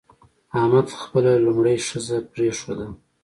احمد خپله لومړۍ ښځه پرېښوده.